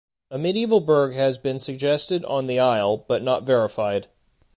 A medieval burgh has been suggested on the isle, but not verified.